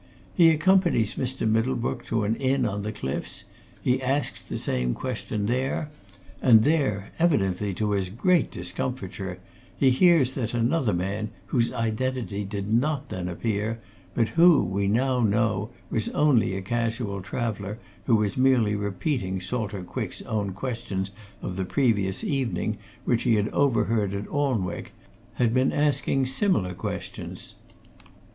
He accompanies Mr. Middlebrook to an inn on the cliffs; he asks the same question there and there, evidently to his great discomfiture, he hears that another man, whose identity did not then appear, but who, we now know, was only a casual traveller who was merely repeating Salter Quick's own questions of the previous evening which he had overheard at Alnwick, had been asking similar questions.